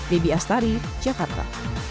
bebi astari jakarta